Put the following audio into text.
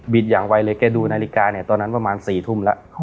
อย่างไวเลยแกดูนาฬิกาเนี่ยตอนนั้นประมาณ๔ทุ่มแล้ว